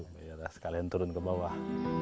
biar sekalian turun ke bawah